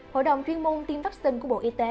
hội đồng chuyên môn tiêm vaccine của bộ y tế